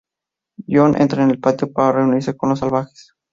Jon entra en el patio para reunirse con los salvajes.